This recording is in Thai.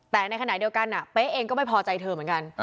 แต่ในขณะเดียวกันเป๊ะเองก็ไม่พอใจเธอเหมือนกัน